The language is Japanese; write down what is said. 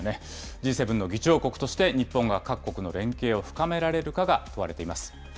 Ｇ７の議長国として、日本が各国の連携を深められるかが問われています。